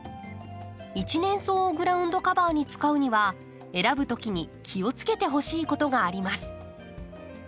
一年草をグラウンドカバーに使うには選ぶときに気をつけてほしいことがあります。